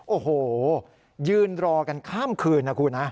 โอ้โหยืนรอกันข้ามคืนนะคุณฮะ